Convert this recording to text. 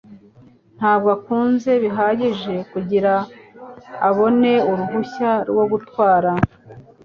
Ntabwo akuze bihagije kugirango abone uruhushya rwo gutwara.